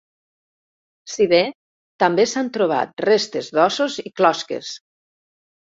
Si bé també s'han trobat restes d'ossos i closques.